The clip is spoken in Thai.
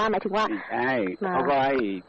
ไม่ใช่เขาก็มาให้